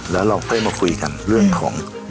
แล้วเราค่อยมาคุยกันเรื่องของ